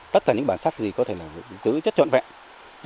tất cả những bản sắc gì có thể là giữ chất trọn vẹn